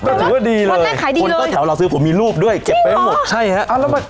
วันแรกขายดีเลยแถวเราซื้อผมมีรูปด้วยเก็บไปใช่ฮะพอ